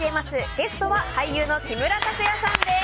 ゲストは俳優の木村拓哉さんです。